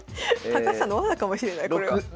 高橋さんの罠かもしれないこれは。